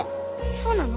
そうなの？